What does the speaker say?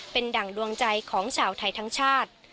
เป็นดั่งดวงใจของชาวไทยทั้งชาติ